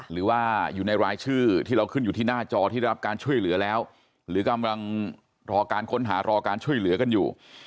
หรือว่าอยู่ในรายชื่อที่เราขึ้นอยู่ที่หน้าจอที่ได้รับการช่วยเหลือแล้วหรือกำลังรอการค้นหารอการช่วยเหลือกันอยู่